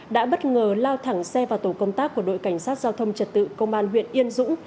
đã bất ngờ lao thẳng xe vào tổ công tác của đội cảnh sát giao thông trật tự công an huyện yên dũng